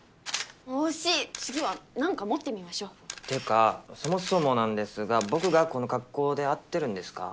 惜しい次はなんか持ってみましょうっていうかそもそもなんですが僕がこの格好で合ってるんですか？